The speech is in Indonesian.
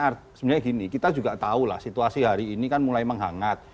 sebenarnya gini kita juga tahu lah situasi hari ini kan mulai menghangat